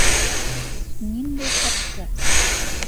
Ниндәй хатты?